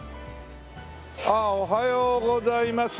ああおはようございます。